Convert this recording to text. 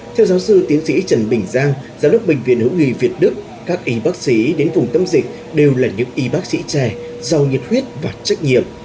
theo giáo sư tiến sĩ trần bình giang giám đốc bệnh viện hữu nghị việt đức các y bác sĩ đến vùng tâm dịch đều là những y bác sĩ trẻ giàu nhiệt huyết và trách nhiệm